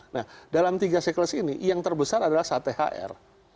nah dalam tiga siklus ini yang terbesar adalah saat thr